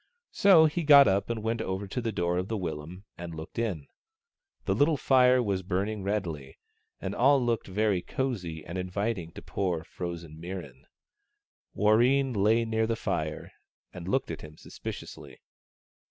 So he got up and went over to the door of the willum and looked in. The little fire was burning redly, and all looked very cosy and inviting to poor, frozen Mirran, Warreen lay near the fire, and looked at him suspiciously.